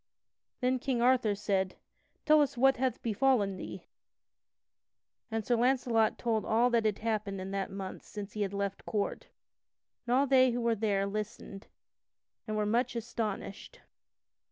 Then King Arthur said: "Tell us what hath befallen thee." And Sir Launcelot told all that had happened in that month since he had left court. And all they who were there listened, and were much astonished.